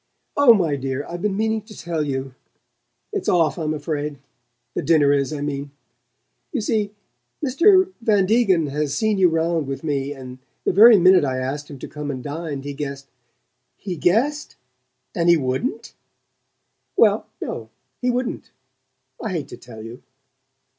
"Oh, my dear, I've been meaning to tell you it's off, I'm afraid. The dinner is, I mean. You see, Mr. Van Degen has seen you 'round with me, and the very minute I asked him to come and dine he guessed " "He guessed and he wouldn't?" "Well, no. He wouldn't. I hate to tell you."